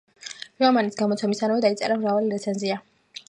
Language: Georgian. რომანის გამოცემისთანავე დაიწერა მრავალი რეცენზია.